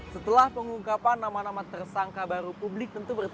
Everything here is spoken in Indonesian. setelah pengungkapan nama nama tersangka baru publik